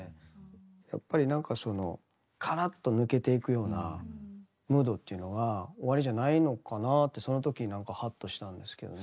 やっぱりなんかそのカラッと抜けていくようなムードというのがおありじゃないのかなってその時はっとしたんですけどね。